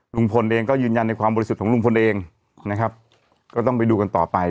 ลุงพลเองก็ยืนยันในความบริสุทธิ์ของลุงพลเองนะครับก็ต้องไปดูกันต่อไป